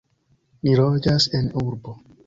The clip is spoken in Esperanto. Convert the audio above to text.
Ni loĝas en urbo.